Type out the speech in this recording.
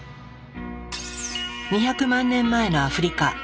２００万年前のアフリカ。